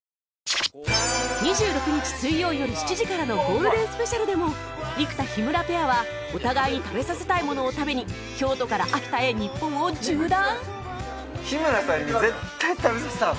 ２６日水曜よる７時からのゴールデンスペシャルでも生田・日村ペアはお互いに食べさせたいものを食べに京都から秋田へ日本を縦断！？